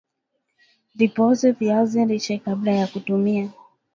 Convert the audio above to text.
vipooze viazi lishe kabla ya kutumia